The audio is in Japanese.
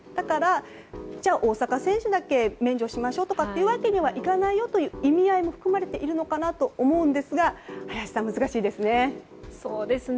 じゃあ大坂選手だけ免除しましょうというわけにはいかないよという意味合いも含まれているのかなと思うんですが林さん、難しいですね。